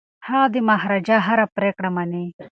هغه د مهاراجا هره پریکړه مني.